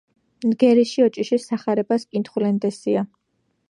ნგერიში ოჭიშის სახარებას კითხულენდესია